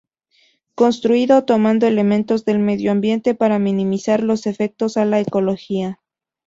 Construido tomando elementos del medio ambiente para minimizar los efectos a la ecología.